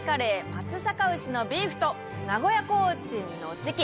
松阪牛のビーフと名古屋コーチンのチキン。